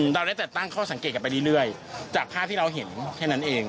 เราได้จัดตั้งข้อสังเกตกันไปเรื่อยจากภาพที่เราเห็นแค่นั้นเอง